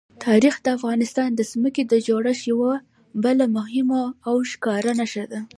تاریخ د افغانستان د ځمکې د جوړښت یوه بله مهمه او ښکاره نښه ده.